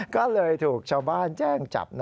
ก็เลยถูกชาวบ้านแจ้งจับ